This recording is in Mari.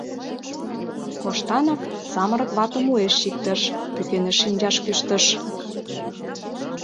Коштанов самырык ватым уэш чиктыш, пӱкеныш шинчаш кӱштыш.